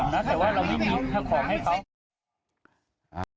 ว่านักข่าวในวันนั้น